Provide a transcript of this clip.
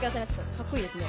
かっこいいですね。